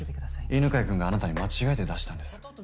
犬飼君があなたに間違えて出したんです。